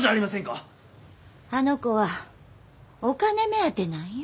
あの子はお金目当てなんよ。